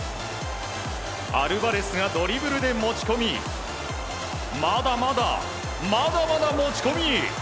アルバレスがドリブルで持ち込みまだまだ、まだまだ持ち込み。